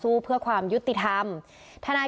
พูดเหมือนเดิมคือพูดอะไร